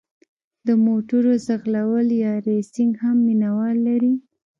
د موټرو ځغلول یا ریسینګ هم مینه وال لري.